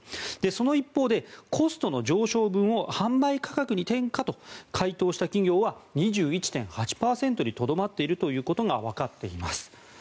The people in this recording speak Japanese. その一方で、コストの上昇分を販売価格に転嫁と回答した企業は２１．８％にとどまっているということがわかっています。